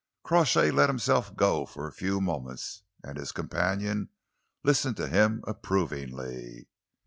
Crawshay let himself go for a few moments, and his companion listened to him approvingly.